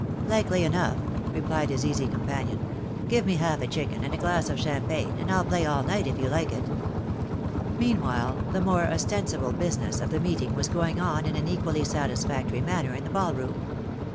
'' Likely enough," replied his easy companion. " Give me half a chicken, and a glass of champagne, and I'll play all night if you like it." Meanwhile, the more ostensible business of the meeting was going on in an equally satisfactory manner in the ball room.